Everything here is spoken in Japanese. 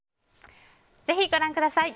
ぜひご覧ください。